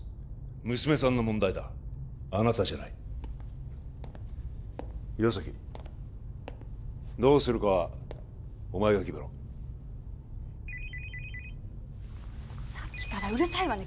娘さんの問題だあなたじゃない岩崎どうするかはお前が決めろさっきからうるさいわね